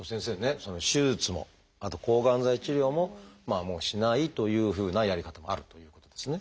その手術もあと抗がん剤治療ももうしないというふうなやり方もあるということですね。